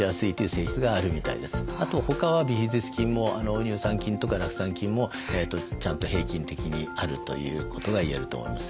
あと他はビフィズス菌も乳酸菌とか酪酸菌もちゃんと平均的にあるということが言えると思います。